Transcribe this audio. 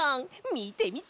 みてみて！